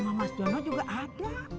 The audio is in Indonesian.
nama mas jono juga ada